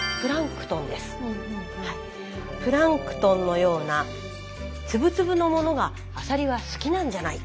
プランクトンのような粒々のものがアサリは好きなんじゃないか。